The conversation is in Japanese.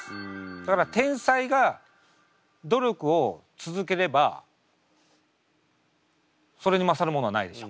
だから天才が努力を続ければそれに勝るものはないでしょ。